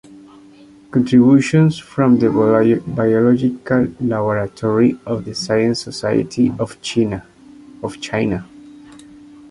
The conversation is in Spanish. Contributions from the Biological Laboratory of the Science Society of China.